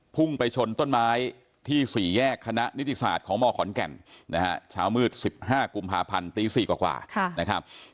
พุ่งไปชนต้นไม้ที่๔แยกคณะนิติศาสตร์ของมขอนแก่นนะฮะเช้ามืด๑๕กุมภาพันธ์ตี๔กว่านะครับ